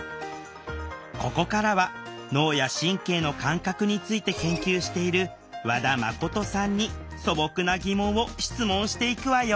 ここからは脳や神経の感覚について研究している和田真さんに素朴なギモンを質問していくわよ